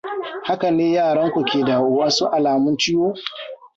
haka ne yaran ku ke da wasu alamun ciwo?